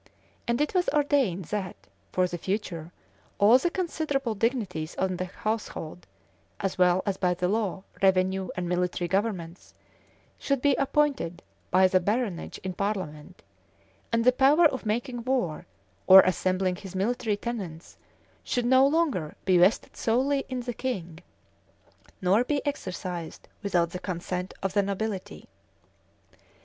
And it was ordained that, for the future, all the considerable dignities in the household, as well as by the law, revenue, and military governments, should be appointed by the baronage in parliament; and the power of making war, or assembling his military tenants, should no longer be vested solely in the king, nor be exercised without the consent of the nobility.